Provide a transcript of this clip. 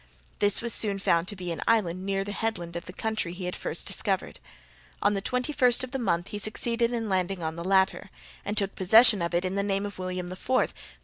This was soon found to be an island near the headland of the country he had first discovered. On the twenty first of the month he succeeded in landing on the latter, and took possession of it in the name of William IV, calling it Adelaide's Island, in honour of the English queen.